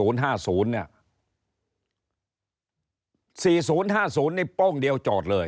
๔๐๕๐นี่โป้งเดียวจอดเลย